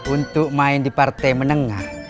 untuk main di partai menengah